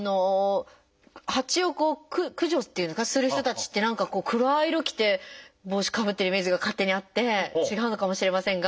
ハチを駆除っていうんですかする人たちって何かこう暗い色着て帽子かぶってるイメージが勝手にあって違うのかもしれませんが。